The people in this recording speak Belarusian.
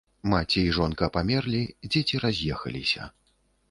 Маці і жонка памерлі, дзеці раз'ехаліся.